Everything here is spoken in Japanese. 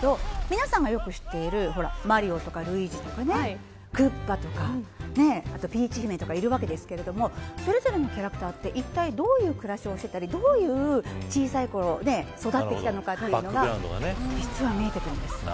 皆さんがよく知っているマリオとかルイージとかクッパとかピーチ姫とかいるわけですがそれぞれのキャラはいったいどういう暮らしをしていたり小さいころどう育ってきたのかそれが見えてくるんです。